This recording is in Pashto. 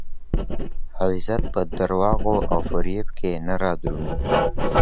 عزت په درواغو او فریب کي نه رادرومي.